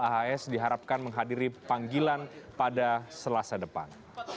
ahs diharapkan menghadiri panggilan pada selasa depan